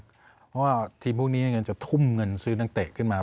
เพราะว่าทีมพวกนี้เงินจะทุ่มเงินซื้อนักเตะขึ้นมา